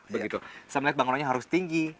saya melihat bangunannya harus tinggi